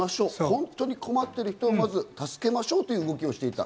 本当に困ってる人をまず助けましょうという動きをしていた。